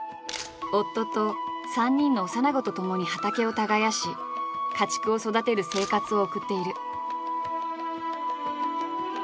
夫と３人の幼子とともに畑を耕し家畜を育てる生活を送っている。